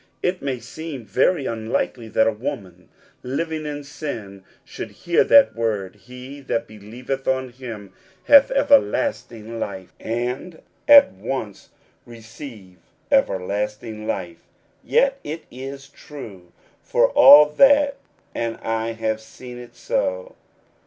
It may seem very unlikely that a woman living in sin should hear that word, " He that believeth on him hath everlasting life," should immediately lay hold upon it, and at once receive everlasting life ; yet it is true, for all that ; and I have seen it so.